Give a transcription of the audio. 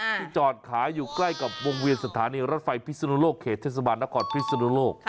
ที่จอดขายอยู่ใกล้กับวงเวียนสถานีรถไฟพิศนุโลกเขตเทศบาลนครพิศนุโลก